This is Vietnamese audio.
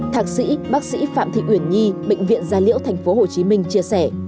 thạc sĩ bác sĩ phạm thị uyển nhi bệnh viện gia liễu tp hcm chia sẻ